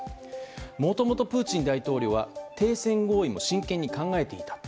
もともとプーチン大統領は停戦合意も真剣に考えていた。